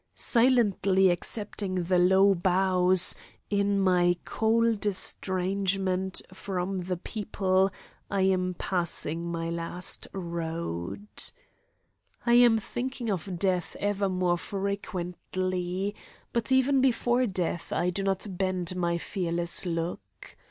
Silently accepting the low bows, in my cold estrangement from the people I am passing my last road. I am thinking of death ever more frequently, but even before death I do not bend my fearless look.